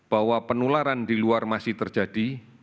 bahwa penularan di luar masih terjadi